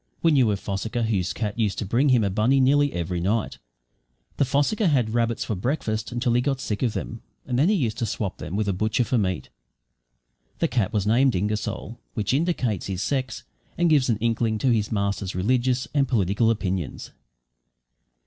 We knew a fossicker whose cat used to bring him a bunny nearly every night. The fossicker had rabbits for breakfast until he got sick of them, and then he used to swap them with a butcher for meat. The cat was named Ingersoll, which indicates his sex and gives an inkling to his master's religious and political opinions.